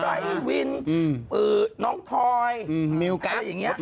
พี่วินน้องทอยอะไรอย่างเงี้ย